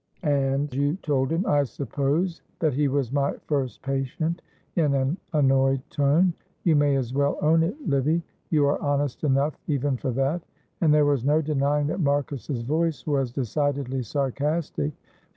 "And you told him, I suppose, that he was my first patient," in an annoyed tone. "You may as well own it, Livy; you are honest enough even for that," and there was no denying that Marcus's voice was decidedly sarcastic.